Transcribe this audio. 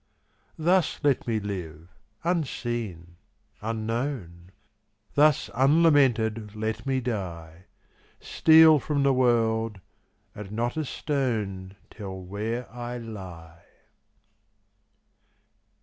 Thus let me live, unseen, unknown; Thus unlamented let me die; Steal from the world, and not a stone Tell where I lie.